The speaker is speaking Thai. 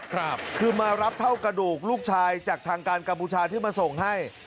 คือมารับเท่ากระดูกลูกชายจากทางการกัมพูชาที่มาส่งให้